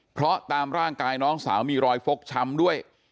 เพราะตามร่างกายน้องสาวมีรอยฟกช้ำด้วย